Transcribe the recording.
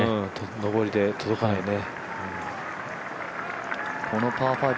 上りで届かないね。